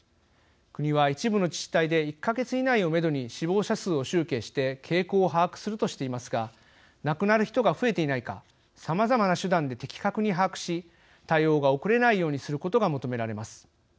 国は一部の自治体で１か月以内をめどに死亡者数を集計して傾向を把握するとしていますが亡くなる人が増えていないかさまざまな手段で的確に把握し対応が遅れないようにすることが求められます。